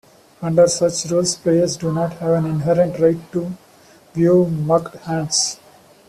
Under such rules, players do not have an inherent right to view mucked hands.